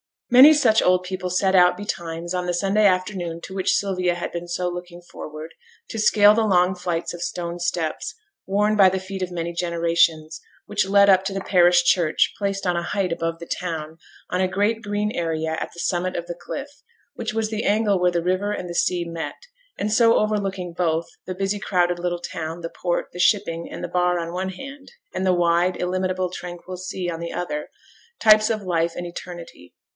Many such old people set out betimes, on the Sunday afternoon to which Sylvia had been so looking forward, to scale the long flights of stone steps worn by the feet of many generations which led up to the parish church, placed on a height above the town, on a great green area at the summit of the cliff, which was the angle where the river and the sea met, and so overlooking both the busy crowded little town, the port, the shipping, and the bar on the one hand, and the wide illimitable tranquil sea on the other types of life and eternity.